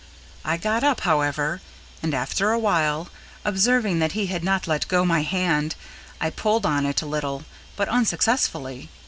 I got up, however, and after a while, observing that he had not let go my hand, I pulled on it a little, but unsuccessfully.